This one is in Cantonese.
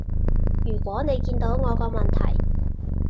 如果你見到我個問題